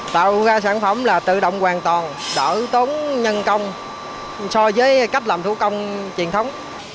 tạo ra sản phẩm là tự động hoàn toàn đỡ tốn nhân công so với cách làm thủ công truyền thống